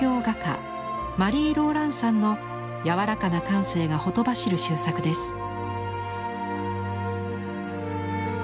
画家マリー・ローランサンの柔らかな感性がほとばしる秀作です。